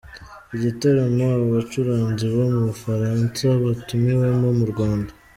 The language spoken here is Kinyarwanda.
Igitaramo aba bacuranzi bo mu Bufaransa batumiwemo mu Rwanda.